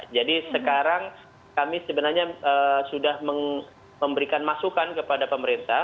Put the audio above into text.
jadi sekarang kami sebenarnya sudah memberikan masukan kepada pemerintah